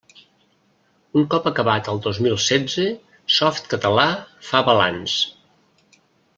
Un cop acabat el dos mil setze, Softcatalà fa balanç.